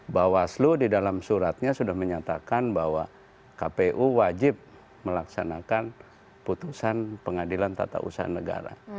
bawaslu di dalam suratnya sudah menyatakan bahwa kpu wajib melaksanakan putusan pengadilan tata usaha negara